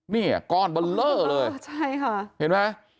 เนี่ยก้อนเบลอเลยเห็นไหม